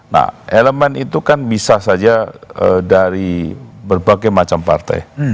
nah elemen itu kan bisa saja dari berbagai macam partai